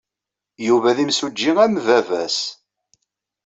Yuba d imsujji am baba-s.